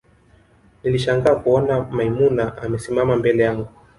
nilishangaa kuona maimuna amesimama mbele yangu